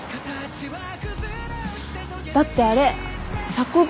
だってあれ作文。